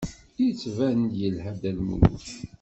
Yettban-d yelha Dda Lmulud.